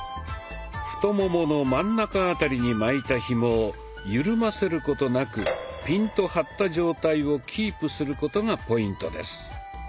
太ももの真ん中辺りに巻いたひもをゆるませることなくピンと張った状態をキープすることがポイントです。